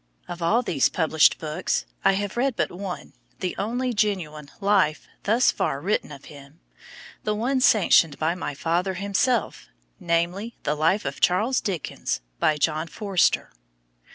Of all these published books I have read but one, the only genuine "Life" thus far written of him, the one sanctioned by my father himself, namely: "The Life of Charles Dickens," by John Forster.